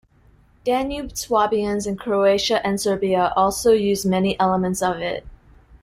Danube Swabians in Croatia and Serbia also use many elements of it.